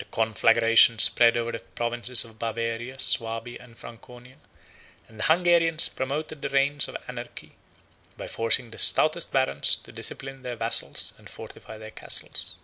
The conflagration spread over the provinces of Bavaria, Swabia, and Franconia; and the Hungarians 31 promoted the reign of anarchy, by forcing the stoutest barons to discipline their vassals and fortify their castles.